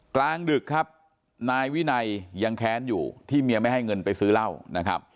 กลางดึกครับนายวินัยยังแค้นอยู่ที่เมียไม่ให้เงินไปซื้อเหล้านะครับ